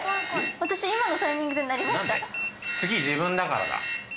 私今のタイミングで鳴りました？